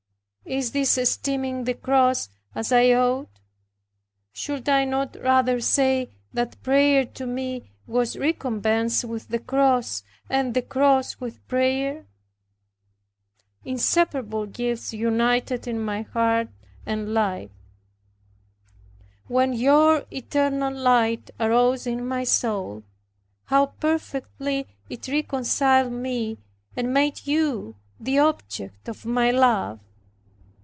Is this esteeming the cross as I ought? should I not rather say that prayer to me was recompensed with the cross, and the cross with prayer. Inseparable gifts united in my heart and life! When your eternal light arose in my soul, how perfectly it reconciled me and made you the object of my love!